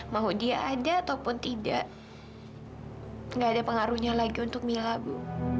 mau dia ada ataupun tidak tidak ada pengaruhnya lagi untuk mila bu